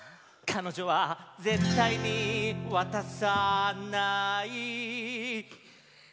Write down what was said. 「彼女は絶対に渡さない」